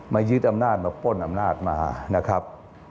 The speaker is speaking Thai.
ยึดอำนาจมาป้นอำนาจมานะครับ